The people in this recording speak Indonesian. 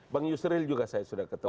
bang yusril juga saya sudah ketemu